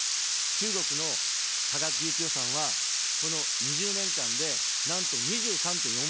中国の科学技術予算は、この２０年間で、なんと２３．４倍。